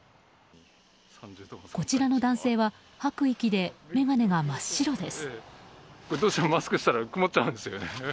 こちらの男性は吐く息で眼鏡が真っ白です。